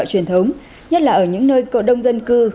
truyền thống nhất là ở những nơi có đông dân cư